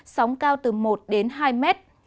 sóng cao từ một đến hai mét